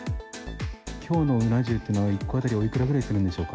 きょうのうな重っていうのは、１個当たりおいくらくらいするのでしょうか。